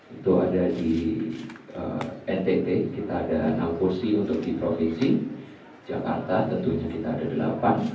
itu ada di ntt kita ada enam kursi untuk di provinsi jakarta tentu sekitar ada delapan